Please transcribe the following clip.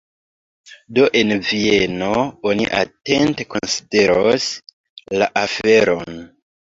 Do en Vieno oni atente konsideros la aferon.